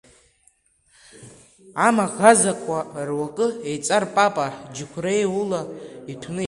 Амаӷазақуа руакы еиҵарпапа џьықуреила иҭәны игылан.